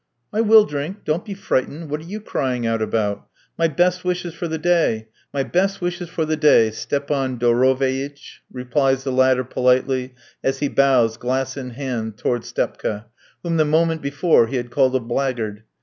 "I will drink, don't be frightened. What are you crying out about? My best wishes for the day. My best wishes for the day, Stepan Doroveitch," replies the latter politely, as he bows, glass in hand, towards Stepka, whom the moment before he had called a blackguard.